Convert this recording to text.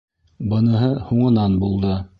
Быныһы һуңынан булды.